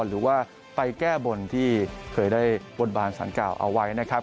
หรือว่าไปแก้บนที่เคยได้บนบานสารกล่าวเอาไว้นะครับ